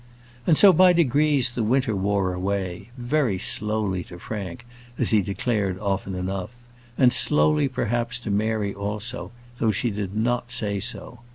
And so by degrees the winter wore away very slowly to Frank, as he declared often enough; and slowly, perhaps, to Mary also, though she did not say so.